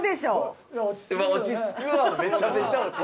まあ落ち着くはめちゃめちゃ落ち着く。